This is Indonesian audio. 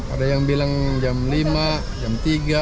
ada yang bilang jam lima jam tiga